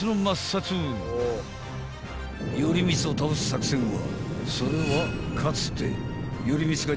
［頼光を倒す作戦はそれは］